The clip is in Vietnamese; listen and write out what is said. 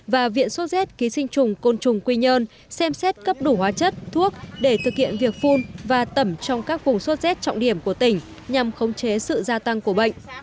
và viện sốt z ký sinh trùng côn trùng quy nhơn xem xét cấp đủ hóa chất thuốc để thực hiện việc phun và tẩm trong các vùng sốt rét trọng điểm của tỉnh nhằm khống chế sự gia tăng của bệnh